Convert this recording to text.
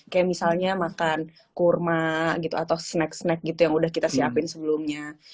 kayak misalnya makan kurma gitu atau snack snack gitu yang udah kita siapin sebelumnya